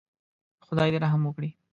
خدای دې رحم وکړي.